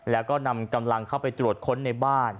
แล้วก็นำกำลังเข้าไปตรวจค้นในบ้าน